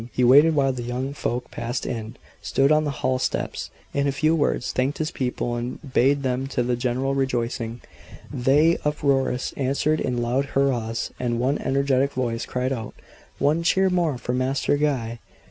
He waited while the young folk passed in stood on the hall steps in a few words thanked his people, and bade them to the general rejoicing. They, uproarious, answered in loud hurrahs, and one energetic voice cried out: "One cheer more for Master Guy!"